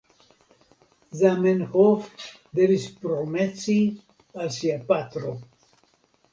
Zamenhof devis promesi al sia patro.